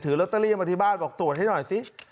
ลอตเตอรี่มาที่บ้านบอกตรวจให้หน่อยสิ